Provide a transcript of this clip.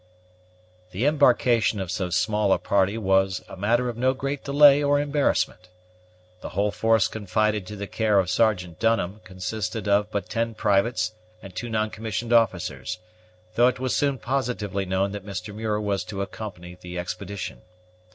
The embarkation of so small a party was a matter of no great delay or embarrassment. The whole force confided to the care of Sergeant Dunham consisted of but ten privates and two non commissioned officers, though it was soon positively known that Mr. Muir was to accompany the expedition.